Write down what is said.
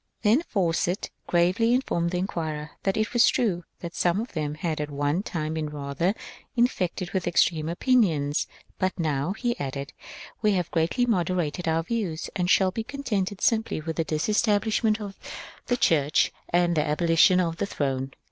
Then Fawcett gravely informed the inquirer that it was true that some of them had at one time been rather infected with extreme opinions, but now, he added, ^^ we have greatly moderated our views and shall be contented simply with disestablishment HENRY FAWCETT 393 of the Church and the abolition of the Throne."